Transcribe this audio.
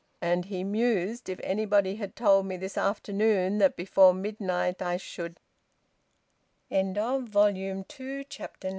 And he mused: "If anybody had told me this afternoon that before midnight I should " VOLUME TWO, CHAPTER TEN.